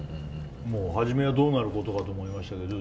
初めはどうなることかと思いましたけどね